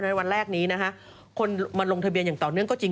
วันแรกนี้นะคะคนมาลงทะเบียนอย่างต่อเนื่องก็จริง